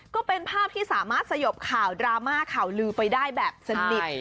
ก็เป็นภาพที่สามารถสยบข่าวดราม่าข่าวลือไปได้แบบสนิท